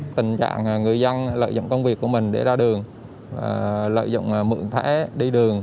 tình trạng người dân lợi dụng công việc của mình để ra đường lợi dụng mượn thẻ đi đường